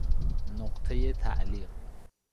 نقطه تعلیق